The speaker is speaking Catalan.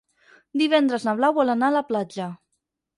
Divendres na Blau vol anar a la platja.